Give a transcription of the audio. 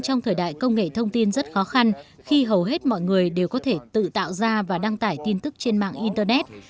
trong thời đại công nghệ thông tin rất khó khăn khi hầu hết mọi người đều có thể tự tạo ra và đăng tải tin tức trên mạng internet